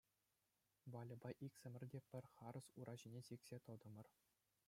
Вальӑпа иксӗмӗр те пӗр харӑс ура ҫине сиксе тӑтӑмӑр.